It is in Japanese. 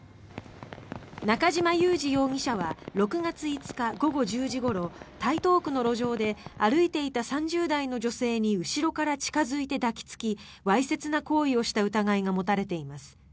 中島優治容疑者は６月５日午後１０時ごろ台東区の路上で歩いていた３０代の女性に後ろから近付いて抱きつきわいせつな行為をした疑いが持たれています。